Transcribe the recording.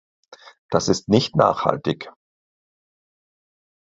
Das ist nicht nachhaltig.